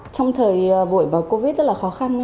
trong thời buổi bởi covid rất là khó khăn